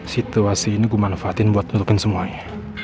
situasi ini gue manfaatin buat nunjukin semuanya